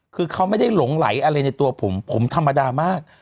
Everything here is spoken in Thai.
คือเขาไม่ได้หลงไหลอะไรในตัวผมผมธรรมดามาก